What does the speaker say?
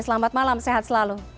selamat malam sehat selalu